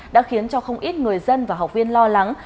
đã khiến cho không ít người dân và học viên lo lắng